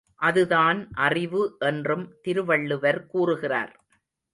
அதுதான் அறிவு என்றும் திருவள்ளுவர் கூறுகிறார்.